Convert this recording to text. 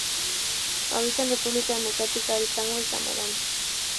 Habita en República Democrática del Congo y Camerún.